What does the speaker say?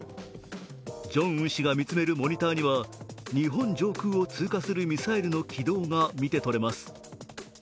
ジョンウン氏が見つめるモニターには日本上空を通過するミサイルの軌道が見てとれます。